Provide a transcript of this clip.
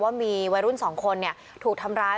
ว่ามีวัยรุ่น๒คนถูกทำร้าย